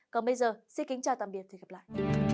còn bây giờ xin kính chào tạm biệt và hẹn gặp lại